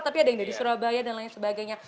tapi ada yang dari surabaya dan lain sebagainya